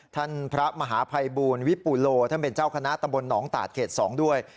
ท่านพระมหาภัยบูลวิปุโลท่านเป็นเจ้าคณะตำบลหนองตาดเขต๒ด้วย